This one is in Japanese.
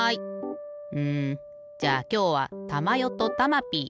うんじゃあきょうはたまよとたまピー。